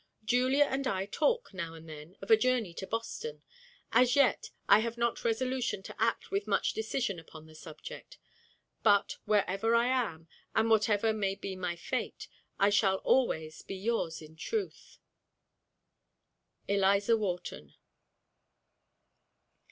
Julia and I talk, now and then, of a journey to Boston. As yet, I have not resolution to act with much decision upon the subject; but, wherever I am, and whatever may be my fate, I shall always be yours in truth, ELIZA WHARTON.